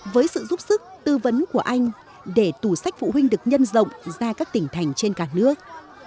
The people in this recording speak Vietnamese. với sự giúp sức tư vấn của anh để tủ sách phụ huynh được nhân rộng ra các tỉnh thành trên cả nước